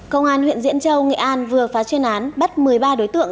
công an huyện diễn châu nghệ an vừa phá chuyên án bắt một mươi ba đối tượng